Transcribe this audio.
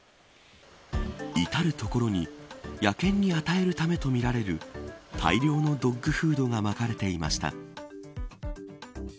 至る所に野犬に与えるためとみられる大量のドッグフードがまかれていました。